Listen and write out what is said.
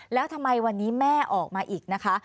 แล้วทำไมวันนี้แม่ออกมาอีกนะคะ